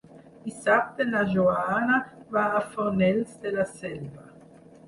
Dissabte na Joana va a Fornells de la Selva.